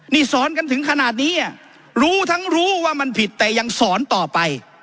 นี่สอนกันถึงขนาดนี้รู้ทั้งรู้ว่ามันผิดแต่ยังสอนต่อไป